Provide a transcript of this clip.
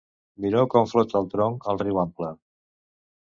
Mireu com flota el tronc al riu ample.